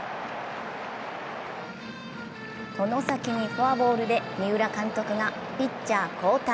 外崎にフォアボールで三浦監督がピッチャー交代。